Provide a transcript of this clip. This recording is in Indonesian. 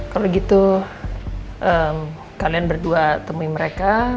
kalau gitu kalian berdua temui mereka